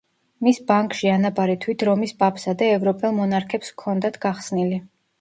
მის ბანკში ანაბარი თვით რომის პაპსა და ევროპელ მონარქებს ჰქონდათ გახსნილი.